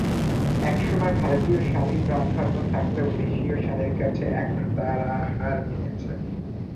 একসময় ভারতীয় শাড়ির প্রাধান্য থাকলেও দেশীয় শাড়ির কাছে এখন তারা হার মেনেছে।